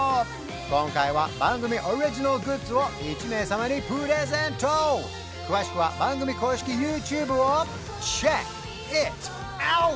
今回は番組オリジナルグッズを１名様にプレゼント詳しくは番組公式ＹｏｕＴｕｂｅをｃｈｅｃｋｉｔｏｕｔ！